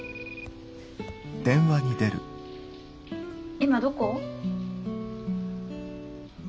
今どこ？